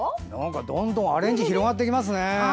どんどんアレンジ広がっていきますね。